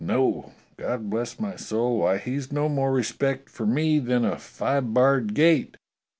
No! God bless my soul, why he's no more respect for me than a five barred gate.